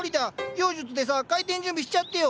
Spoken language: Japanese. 妖術でさ開店準備しちゃってよ。